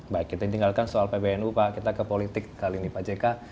baik kita tinggalkan soal pbnu pak kita ke politik kali ini pak jk